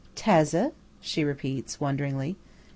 "Tazze?" she repeats, wonderingly.